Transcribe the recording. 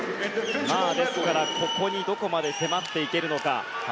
ですからどこまで迫っていけるのか。